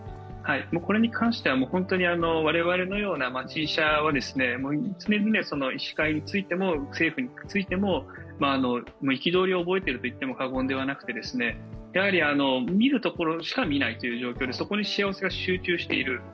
これに関しては我々のような町医者は常々医師会についても政府についても憤りを覚えていると言っても過言ではなくて見るところしか見ないという状況でそこにしわ寄せが集中している。